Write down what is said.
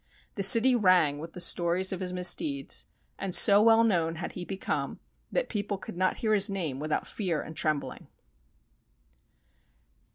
The city rang with the stories of his misdeeds, and so well known had he become that people could not hear his name without fear and trembling.